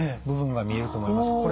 部分が見えると思います。